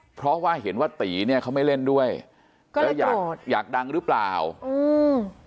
เพราะว่าเห็นว่าตีเนี้ยเขาไม่เล่นด้วยแล้วอยากอยากดังหรือเปล่าอืม